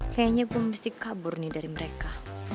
kayaknya belum mesti kabur nih dari mereka